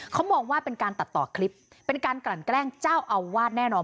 เขามองว่าเป็นการตัดต่อคลิปเป็นการกลั่นแกล้งเจ้าอาวาสแน่นอน